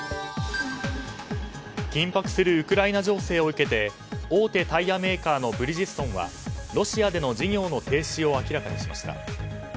緊迫するウクライナ情勢を受けて大手タイヤメーカーのブリヂストンはロシアでの事業の停止を明らかにしました。